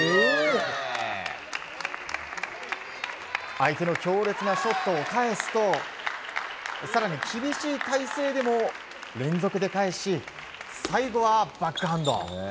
相手の強烈なショットを返すと更に厳しい体勢でも連続で返し最後はバックハンド。